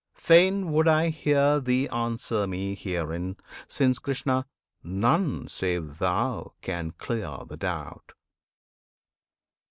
Fain would I hear thee answer me herein, Since, Krishna! none save thou can clear the doubt.